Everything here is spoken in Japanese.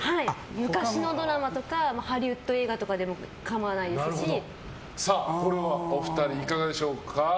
昔のドラマとかハリウッド映画とかでもこれはお二人いかがでしょうか。